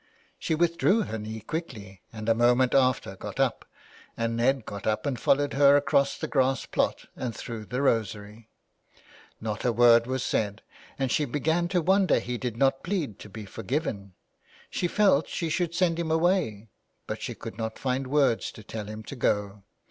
She withdrew her knee quickly and a moment after got up, and Ned got up and followed her across the grass plot and through the rosery ; not a word was said, and she began to wonder he did not plead to be forgiven. She felt she should send him away, but she could not find words to tell him to go.